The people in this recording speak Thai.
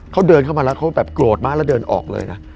เขาเดินเข้ามาแล้วเขาแบบโกรธมากแล้วเดินออกเลยนะ